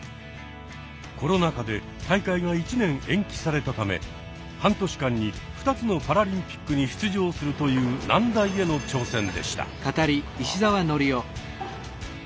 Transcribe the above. コロナ禍で大会が１年延期されたため半年間に２つのパラリンピックに出場するという難題への挑戦でした。